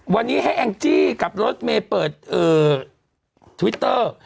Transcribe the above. วันนี้ให้แองจี้กับรถเมย์เปิดทวิตเตอร์